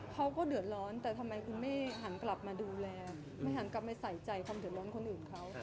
เขาก็เดือดร้อนแต่ทำไมคุณไม่หันกลับมาดูแลไม่หันกลับมาใส่ใจความเดือดร้อนคนอื่นเขา